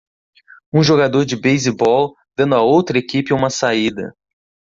Um jogador de beisebol dando a outra equipe uma saída.